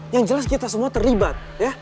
yang jelas kita semua terlibat